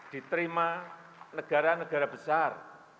diterima negara negara besar